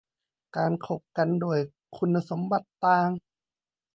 การคบกันด้วยคุณสมบัติต่าง